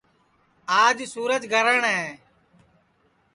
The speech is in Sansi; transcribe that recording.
آج سُورج گرہٹؔ ہے